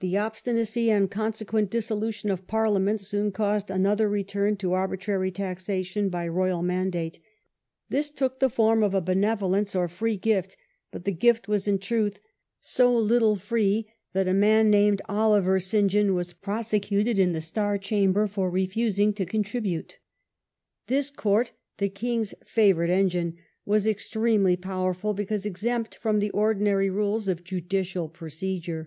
The obstinacy and consequent dissolution of Parliament soon caused another return to arbitrary taxation by royal mandate. This took the form of a " Benevo Law and Pre lence" or free gift, but the gift was in truth so rogative. little free that a man named Oliver St. John was prose cuted in the Star Chamber for refusing to contribute. This court, the king's favourite engine, was extremely powerful, because exempt from the ordinary rules of judicial pro cedure.